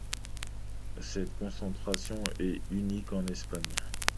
Cette concentration est unique en Espagne.